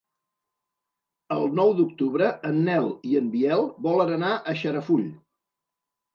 El nou d'octubre en Nel i en Biel volen anar a Xarafull.